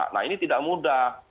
nah ini tidak mudah